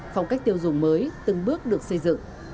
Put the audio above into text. phong cách tiêu dùng mới từng bước được xây dựng